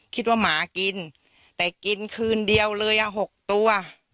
คิดว่าหมากินแต่กินคืนเดียวเลยอ่ะ๖ตัว